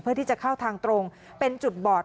เพื่อที่จะเข้าทางตรงเป็นจุดบอด